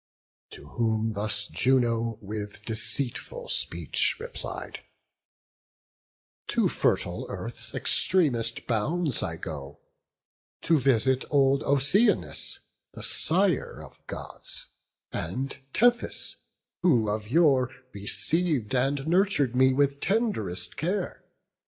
To whom thus Juno with deceitful speech Replied: "To fertile earth's extremest bounds I go, to visit old Oceanus, The sire of Gods, and Tethys, who of yore Receiv'd, and nurtur'd me with tend'rest care.